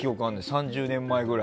３０年前くらい。